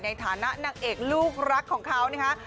ในฐานะนางเอกลูกรักของเขานะคะ